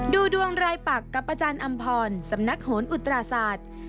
ดูดวงรายปักกับอาจารย์อำพรสำนักโหนอุตราศาสตร์